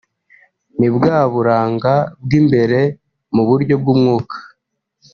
ni bwa buranga bw'imbere mu buryo bw'umwuka